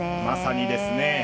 まさにですね。